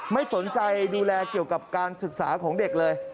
ไม่สนใจดูแลเกี่ยวกับการศึกษาของเด็กเลย